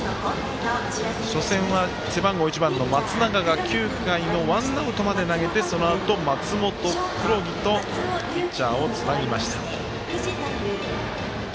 初戦は、背番号１番の松永が９回のワンアウトまで投げてそのあと、松元黒木とピッチャーをつなぎました。